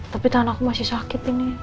tapi tangan aku masih sakit ini